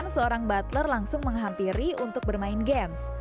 seorang butler langsung menghampiri untuk bermain games